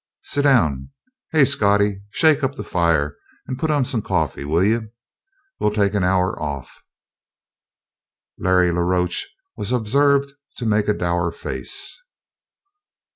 Sit down. Hey, Scottie, shake up the fire and put on some coffee, will you? We'll take an hour off." Larry la Roche was observed to make a dour face.